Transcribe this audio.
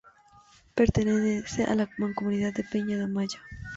Pertenece a la Mancomunidad de Peña Amaya.